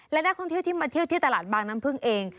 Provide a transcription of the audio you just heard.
และนักท่องเที่ยวที่มาเที่ยวที่ตลาดบางน้ำพึ่งเอง